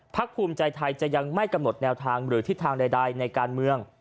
ภูมิใจไทยจะยังไม่กำหนดแนวทางหรือทิศทางใดในการเมือง